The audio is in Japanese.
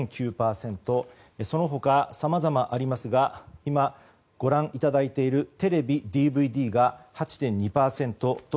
その他さまざまありますが今、ご覧いただいているテレビ・ＤＶＤが８．２％。